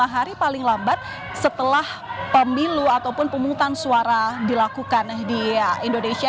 atau tiga puluh lima hari paling lambat setelah pemilu atau pemutan suara dilakukan di indonesia